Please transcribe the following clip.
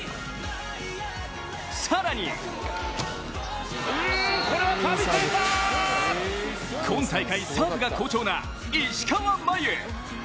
更に今大会、サーブが好調な石川真佑！